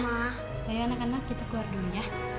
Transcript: ayo anak anak kita keluar dulu ya